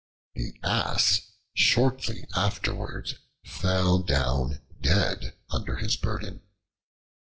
The Ass shortly afterwards fell down dead under his burden.